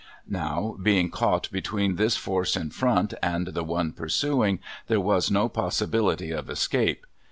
Now, being caught between this force in front and the one pursuing there was no possibility of escape.